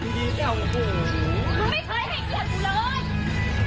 มึงไม่พามันไปกินน้ำเย็นที่บ้านกูเลย